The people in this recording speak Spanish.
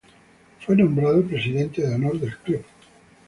Fue nombrado Presidente de Honor del club.